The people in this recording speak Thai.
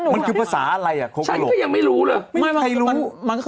มันก็มาจากคำว่าโขก